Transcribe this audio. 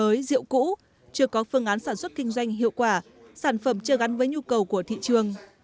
những hợp tác xã mới diệu cũ chưa có phương án sản xuất kinh doanh hiệu quả sản phẩm chưa gắn với nhu cầu của thị trường